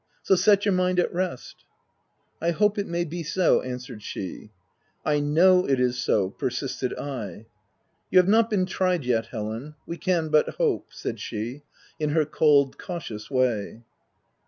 So set your mind at rest." " I hope it may be so," answered she. " I know it is so/' persisted I. " You have not been tried yet, Helen : we can but hope/' said she, in her cold, cautious way.